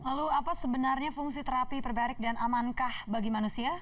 lalu apa sebenarnya fungsi terapi hiperbarik dan amankah bagi manusia